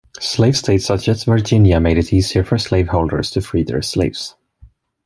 Slave states such as Virginia made it easier for slaveholders to free their slaves.